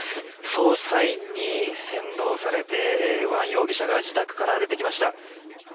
捜査員に先導されてワン容疑者が自宅から出てきました。